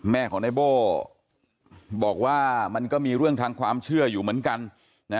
แม่ของในโบ้บอกว่ามันก็มีเรื่องทางความเชื่ออยู่เหมือนกันนะ